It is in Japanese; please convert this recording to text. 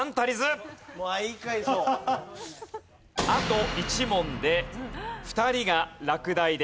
あと１問で２人が落第です。